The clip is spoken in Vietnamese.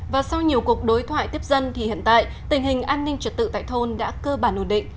và sau nhiều cuộc đối thoại tiếp dân thì hiện tại tình hình an ninh trật tự tại thôn đã cơ bản ổn định